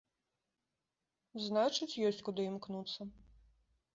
Значыць, ёсць куды імкнуцца.